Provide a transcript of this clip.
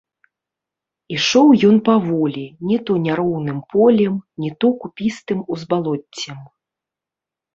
Ішоў ён паволі, ні то няроўным полем, ні то купістым узбалоццем.